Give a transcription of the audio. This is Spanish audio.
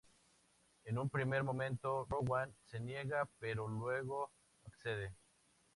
En un primer momento Rowan se niega, pero luego accede.